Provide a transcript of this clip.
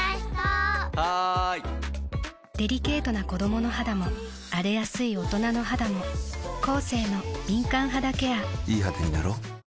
デリケートな子どもの肌も荒れやすい大人の肌もコーセーの「敏感肌ケア」いい肌になろう。